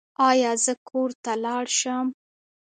ایا زه کور ته لاړ شم؟